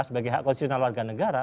sebagai hak konstitusional warga negara